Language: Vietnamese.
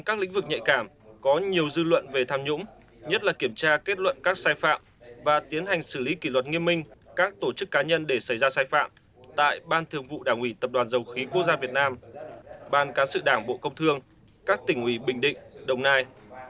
các lĩnh vực nhạy cảm có nhiều dư luận về tham nhũng nhất là kiểm tra kết luận các sai phạm và tiến hành xử lý kỷ luật nghiêm minh các tổ chức cá nhân để xảy ra sai phạm tại ban thường vụ đảng ủy tập đoàn dầu khí quốc gia việt nam ban cán sự đảng bộ công thương các tỉnh ủy bình định đồng nai